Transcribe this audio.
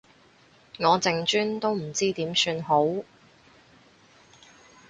我淨專都唔知點算好